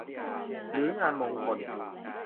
หรืองานมงคล